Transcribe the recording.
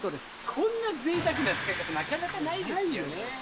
こんなぜいたくな使い方なかないよね。